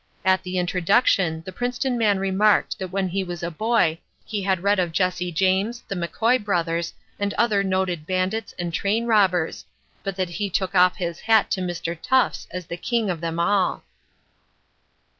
At the introduction the Princeton man remarked that when he was a boy he had read of Jesse James, the McCoy brothers, and other noted bandits and train robbers, but that he took off his hat to Mr. Tufts as the king of them all.